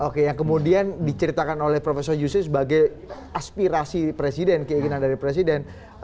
oke yang kemudian diceritakan oleh prof yusril sebagai aspirasi presiden keinginan dari presiden